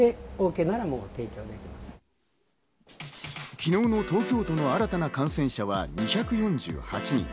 昨日の東京都の新たな感染者は２４８人。